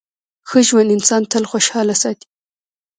ښه ژوند انسان تل خوشحاله ساتي.